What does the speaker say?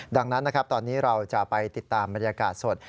ดังนั้นนะครับตอนนี้เราจะไปติดตามบรรยากาศสด